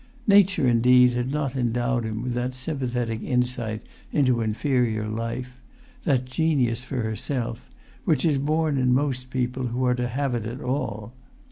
Nature, indeed, had not endowed him with that sympathetic insight into inferior life—that genius for herself—which is born in most people who are to have it at all.